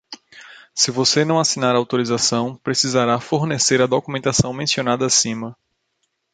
Se você não assinar a autorização, precisará fornecer a documentação mencionada acima.